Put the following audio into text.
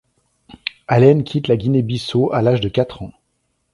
Allen quitte la Guinée-Bissau à l’âge de quatre ans.